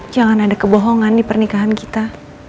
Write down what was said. jangan ada kebohongan di pernikahan kita